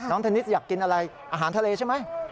เทนนิสอยากกินอะไรอาหารทะเลใช่ไหม